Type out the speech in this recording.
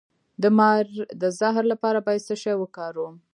د مار د زهر لپاره باید څه شی وکاروم؟